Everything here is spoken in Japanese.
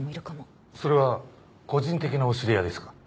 それは個人的なお知り合いですか？